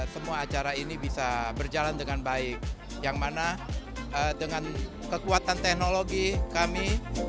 semua acara ini bisa berjalan dengan baik yang mana dengan kekuatan teknologi kami